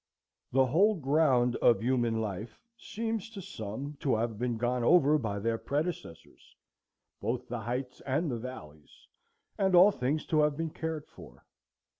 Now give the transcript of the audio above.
The whole ground of human life seems to some to have been gone over by their predecessors, both the heights and the valleys, and all things to have been cared for.